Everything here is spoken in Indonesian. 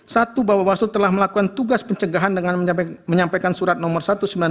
satu bawaslu telah melakukan tugas pencegahan dengan menyampaikan surat nomor satu ratus sembilan puluh